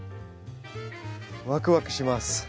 ワクワクします。